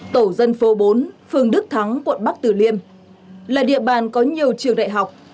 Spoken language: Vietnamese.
tổ dân phố bốn phường đức thắng quận bắc tử liêm là địa bàn có nhiều trường đại học